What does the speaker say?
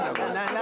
何？